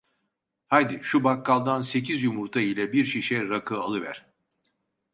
Haydi, şu bakkaldan sekiz yumurta ile bir şişe rakı alıver.